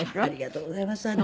ありがとうございます。